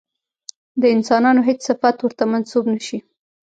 د انسانانو هېڅ صفت ورته منسوب نه شي.